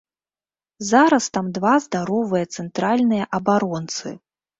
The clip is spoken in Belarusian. Зараз там два здаровыя цэнтральныя абаронцы.